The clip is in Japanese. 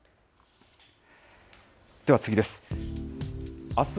では、次です。